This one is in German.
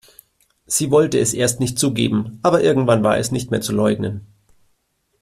Sie wollte es erst nicht zugeben, aber irgendwann war es nicht mehr zu leugnen.